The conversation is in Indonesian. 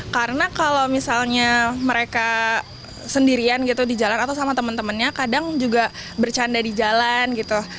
karena kalau misalnya mereka sendirian gitu di jalan atau sama teman temannya kadang juga bercanda di jalan gitu